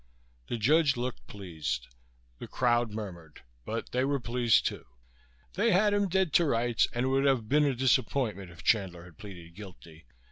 The judge looked pleased. The crowd murmured, but they were pleased too. They had him dead to rights and it would have been a disappointment if Chandler had pleaded guilty.